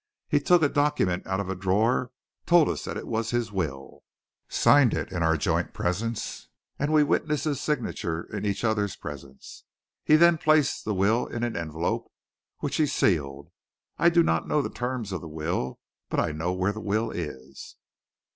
He took a document out of a drawer, told us that it was his will, signed it in our joint presence, and we witnessed his signature in each other's presence. He then placed the will in an envelope, which he sealed. I do not know the terms of the will but I know where the will is."